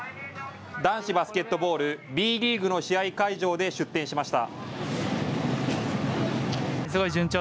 男子バスケットボールＢリーグの試合会場で出店しました。